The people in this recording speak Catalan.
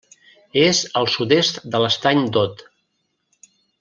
És al sud-est de l'Estany d'Aude.